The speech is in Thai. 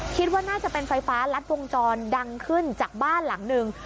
คิดว่าน่าจะเป็นไฟฟ้ารัดวงจรดังขึ้นจากบ้านหลังหนึ่ง